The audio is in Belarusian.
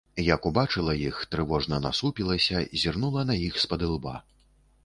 Як убачыла іх, трывожна насупілася, зірнула на іх спадылба.